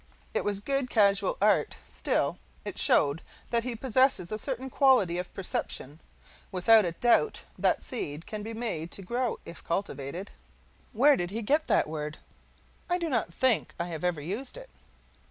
It was good casual art, still it showed that he possesses a certain quality of perception. Without a doubt that seed can be made to grow, if cultivated. Where did he get that word? I do not think I have ever used it.